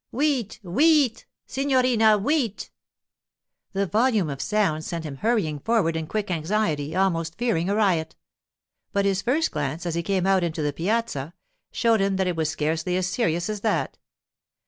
'Wheat! Wheat! Signorina Wheat!' The volume of sound sent him hurrying forward in quick anxiety, almost fearing a riot. But his first glance, as he came out into the piazza, showed him that it was scarcely as serious as that.